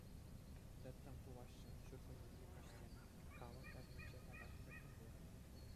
Тӗттӗм пулаҫҫӗ ҫуркуннехи каҫсем, калӑм эрнинче тата тӗттӗмрех.